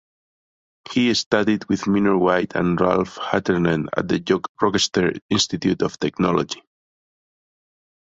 He studied with Minor White and Ralph Hattersley at the Rochester Institute of Technology.